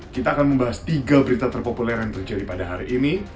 kita akan membahas tiga berita terpopuler yang terjadi pada hari ini